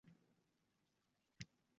Dilni toptash oson